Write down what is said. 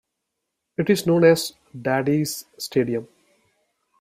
It is known as Daddy's Stadium.